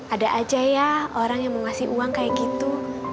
ada aja ya orang yang mau ngasih uang kayak gitu